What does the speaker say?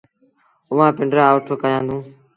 اُئآݩ پنڊرآ اُٺ ڪآهيآندون۔